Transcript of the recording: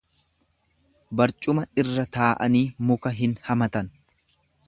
Barcuma irra taa'anii muka hin hamatan.